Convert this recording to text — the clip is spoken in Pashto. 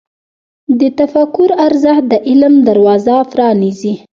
د تفکر ارزښت د علم دروازه پرانیزي.